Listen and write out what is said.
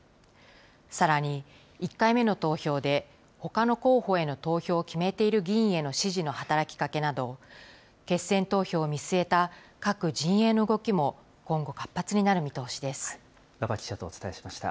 さらに、１回目の投票でほかの候補への投票を決めている議員への支持の働きかけなど、決選投票を見据えた各陣営の動きも、馬場記者とお伝えしました。